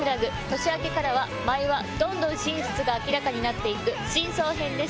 年明けからは毎話どんどん真実が明らかになって行く真相編です。